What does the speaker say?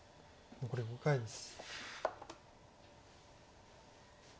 残り５回です。